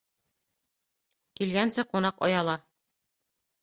Килгәнсе ҡунаҡ ояла